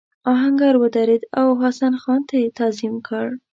آهنګر ودرېد او حسن خان ته یې تعظیم وکړ.